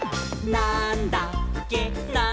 なんだっけ？！」